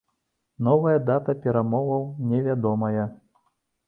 Новая дата перамоваў невядомая.